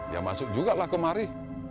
ya masuk juga lah kemari